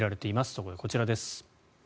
そこでこちらです。